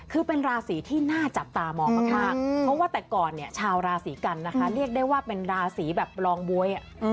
คือเป็นราศีที่น่าจับตามองมากเพราะว่าแต่ก่อนเนี่ยชาวราศีกันนะคะเรียกได้ว่าเป็นราศีแบบรองบ๊วย